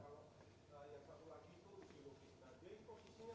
kalau itu dikira